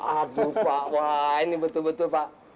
aduh pak wah ini betul betul pak